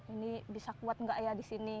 ini bisa kuat nggak ya di sini